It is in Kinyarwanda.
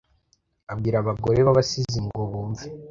Abwira abagore babasizi ngo bumve